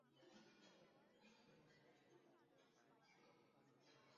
বেহুলা মনসার কাছে প্রার্থনা অব্যাহত রাখে।